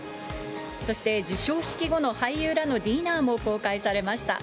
そして、授賞式後の俳優らのディナーも公開されました。